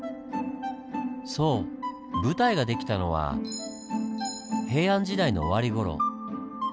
そう舞台が出来たのは平安時代の終わり頃。